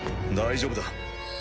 大丈夫だ。